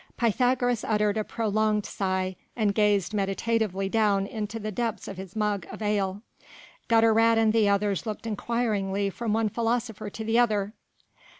Pythagoras uttered a prolonged sigh and gazed meditatively down into the depths of his mug of ale. Gutter rat and the others looked inquiringly from one philosopher to the other.